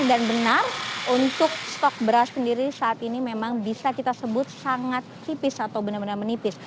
dan benar untuk stok beras sendiri saat ini memang bisa kita sebut sangat tipis atau benar benar menipis